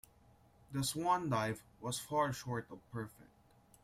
The swan dive was far short of perfect.